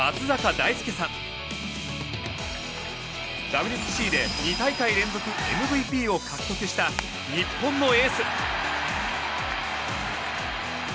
ＷＢＣで２大会連続ＭＶＰを獲得した日本のエース。